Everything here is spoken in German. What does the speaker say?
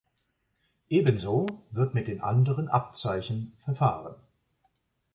Ebenso wird mit den anderen Abzeichen verfahren.